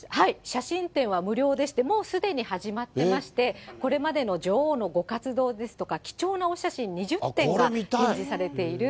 写真展は無料でして、もうすでに始まってまして、これまでの女王のご活動ですとか、貴重なお写真２０点が展示されている。